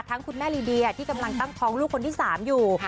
คุณแม่ลีเดียที่กำลังตั้งท้องลูกคนที่๓อยู่